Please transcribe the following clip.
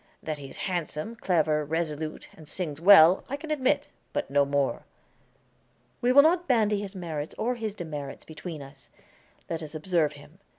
That he is handsome, clever, resolute, and sings well, I can admit; but no more." "We will not bandy his merits or his demerits between us. Let us observe him.